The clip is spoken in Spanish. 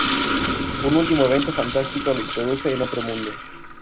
Un último evento fantástico lo introduce en otro mundo.